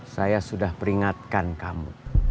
saya sudah peringatkan kamu